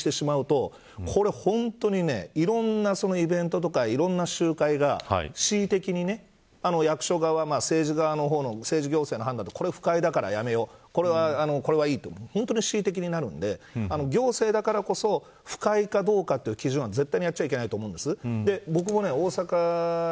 不快かどうかを基準にしてしまうとこれは本当にいろんなイベントとかいろんな集会が恣意的に役所側、政治側の判断でこれは不快だからやめようこれはいいと本当に恣意的になるので行政だからこそ不快かどうかという基準は絶対にやっちゃいけないと思うんです。